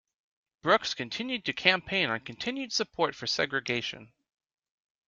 Brooks continued to campaign on continued support for segregation.